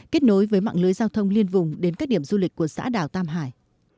kết nối với mạng lưới giao thông liên vùng đến các điểm du lịch của xã đảo tam hải